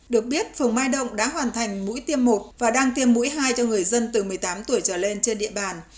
được biết phường mai động đã hoàn thành mũi tiêm một và đang tiêm mũi hai cho người dân từ một mươi tám tuổi trở lên trên địa bàn